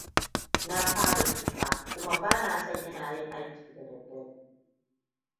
Na fara tsufa kuma ba na son ina yin aiki da dare.